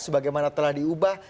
bagaimana telah diubah